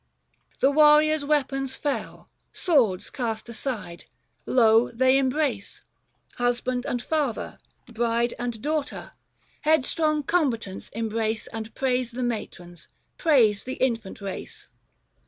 The warriors' weapons fell — swords cast aside — Lo ! they embrace — husband and father, bride And daughter ; headstrong combatants embrace 240 And praise the matrons ; praise the infant race.